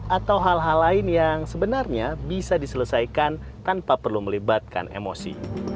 atau hal hal lain yang sebenarnya bisa diselesaikan tanpa perlu melibatkan emosi